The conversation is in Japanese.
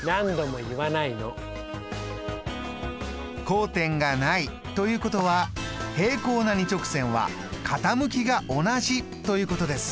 交点がないということは平行な２直線は傾きが同じということです。